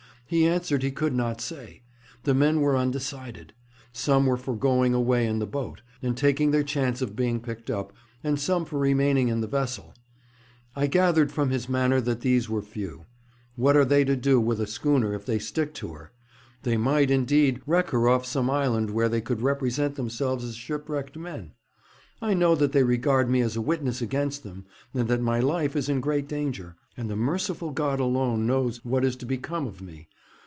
He answered he could not say. The men were undecided. Some were for going away in the boat, and taking their chance of being picked up, and some for remaining in the vessel. I gathered from his manner that these were few. What are they to do with the schooner if they stick to her? They might, indeed, wreck her off some island where they could represent themselves as shipwrecked men. I know that they regard me as a witness against them, and that my life is in great danger, and the merciful God alone knows what is to become of me.